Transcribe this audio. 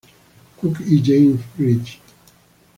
Cook y James Bridges.